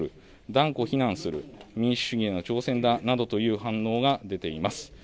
断固非難する、民主主義への挑戦だなどという反応が出ています。